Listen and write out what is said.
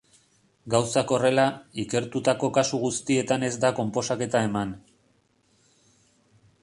Gauzak horrela, ikertutako kasu guztietan ez da konposaketa eman.